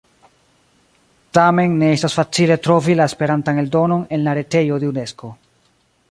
Tamen ne estas facile trovi la Esperantan eldonon en la retejo de Unesko.